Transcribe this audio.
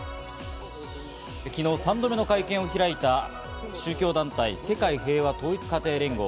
昨日、３度目の会見を開いた、宗教団体・世界平和統一家庭連合。